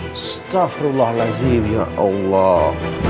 astagfirullahaladzim ya allah